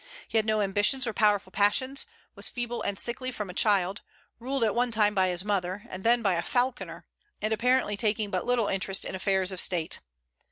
He had no ambitions or powerful passions; was feeble and sickly from a child, ruled at one time by his mother, and then by a falconer; and apparently taking but little interest in affairs of state.